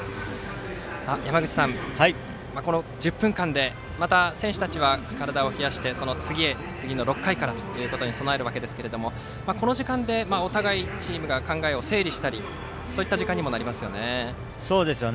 山口さん、この１０分間でまた選手たちは体を冷やして次の６回からに備えるわけですが、この時間でお互いにチームの考えを整理したり、そういった時間にもなりますよね。